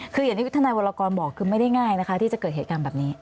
คืออย่างที่ทนายวรกรบอกคือไม่ได้ง่ายนะคะที่จะเกิดเหตุการณ์แบบนี้